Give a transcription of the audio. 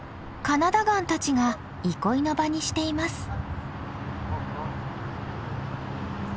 カナダガンたちが憩いの場にしています。